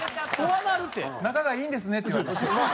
「仲がいいんですね」って言われました。